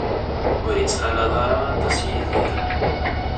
Ur ittxalaḍ ara aṭas Yidir.